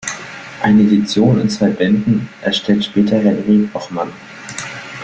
Eine Edition in zwei Bänden erstellte später Henry Blochmann.